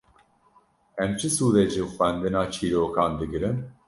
Em çi sûdê ji xwendina çîrokan digrin?